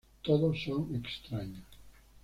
Todos son extraños.